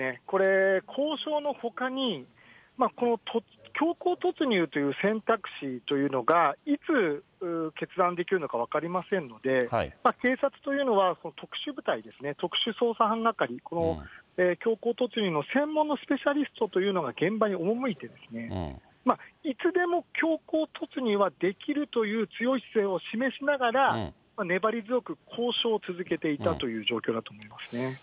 これ、交渉のほかに、この強行突入という選択肢というのが、いつ決断できるのか分かりませんので、警察というのは特殊部隊ですね、特殊捜査班係、この強行突入の専門のスペシャリストというのが現場に赴いて、いつでも強行突入はできるという強い姿勢を示しながら、粘り強く交渉を続けていたという状況だと思いますね。